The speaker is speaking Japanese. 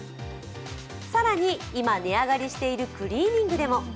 更に今、値上がりしているクリーニングでも。